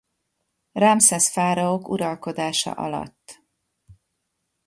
Ramszesz fáraók uralkodása alatt.